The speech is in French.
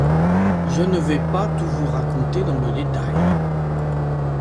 Je ne vais pas tout vous raconter dans le détail.